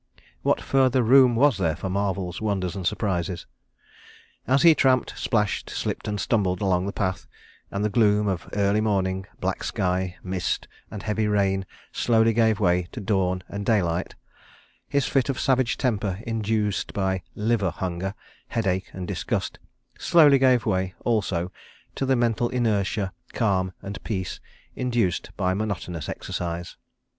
... What further room was there for marvels, wonders, and surprises? As he tramped, splashed, slipped and stumbled along the path, and the gloom of early morning, black sky, mist, and heavy rain slowly gave way to dawn and daylight, his fit of savage temper induced by "liver," hunger, headache and disgust, slowly gave way, also, to the mental inertia, calm, and peace, induced by monotonous exercise.